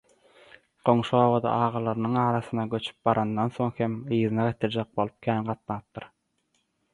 Goňşy obada agalarynyň arasyna göçüp barandan soň hem yzyna getirjek bolup kän gatnapdyr